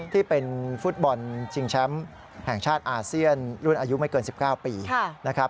ที่เป็นฟุตบอลชิงแชมป์แห่งชาติอาเซียนรุ่นอายุไม่เกิน๑๙ปีนะครับ